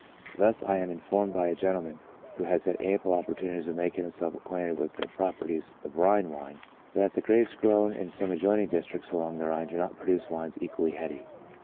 Thus I am informed by a gentleman who has had ample opportunities of making himself acquainted with the prop erties of Rhine wine, that the grapes grown in some ad joining districts along the Rhine do not produce wines equally heady.